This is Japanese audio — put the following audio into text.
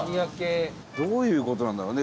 どういう事なんだろうね？